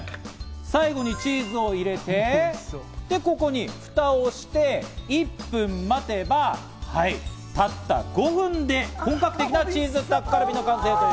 最後にチーズを入れてで、ここにフタをして１分待てばはい、たった５分で本格的なチーズタッカルビの完成。